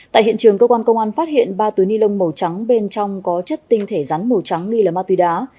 tại hiện trường cơ quan công an phát hiện ba túi ni lông màu trắng bên trong có chất tinh thể rắn màu trắng nghi là ma túy đá